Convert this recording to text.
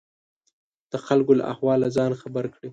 د خلکو له احواله ځان خبر کړي.